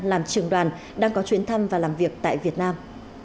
làm trưởng đoàn đang có chuyến thăm và làm việc tại việt nam